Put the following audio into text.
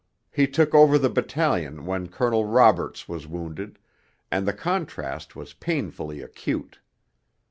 He took over the battalion when Colonel Roberts was wounded, and the contrast was painfully acute.